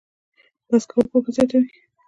بحث کول پوهه زیاتوي